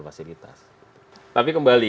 fasilitas tapi kembali